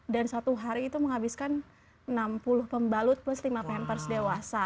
dan satu hari itu menghabiskan enam puluh pembalut plus lima pampers dewasa